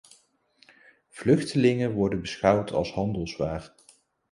Vluchtelingen worden beschouwd als handelswaar.